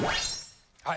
はい。